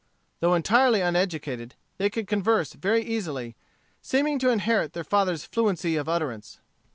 Though entirely uneducated, they could converse very easily, seeming to inherit their father's fluency of utterance.